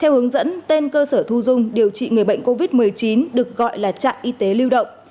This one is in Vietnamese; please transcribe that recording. theo hướng dẫn tên cơ sở thu dung điều trị người bệnh covid một mươi chín được gọi là trạm y tế lưu động